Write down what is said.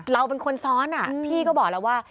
เราเป็นคนซ้อนพี่ก็บอกแล้วว่า